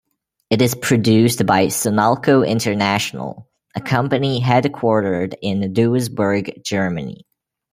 It is produced by Sinalco International, a company headquartered in Duisburg, Germany.